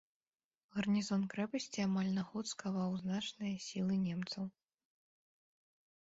Гарнізон крэпасці амаль на год скаваў значныя сілы немцаў.